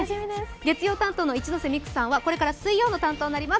月曜担当の一ノ瀬美空さんはこれから水曜の担当になります。